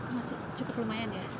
masih cukup lumayan ya